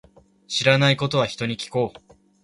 知らないことは、人に聞こう。